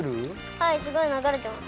はいすごいながれてます。